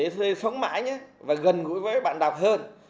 cố gắng mãi nhé và gần gũi với bạn đọc hơn